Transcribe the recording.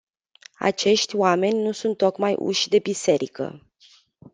Acești oameni nu sunt tocmai uși de biserică.